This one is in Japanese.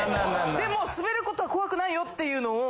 でもスベることは怖くないよっていうのを。